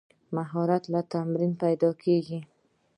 مهارت له تمرین پیدا کېږي.